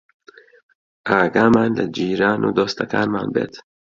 ئاگامان لە جیران و دۆستەکانمان بێت